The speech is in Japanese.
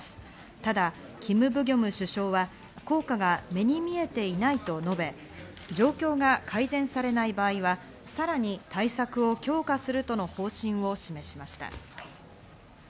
ただキム・ブギョム首相は、効果が目に見えていないと述べ、状況が改善されない場合はさらに対策を強化するとの方針を示しました。